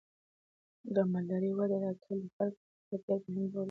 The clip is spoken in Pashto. د مالدارۍ وده د کلي د خلکو په اقتصاد کې ډیر مهم رول لوبوي.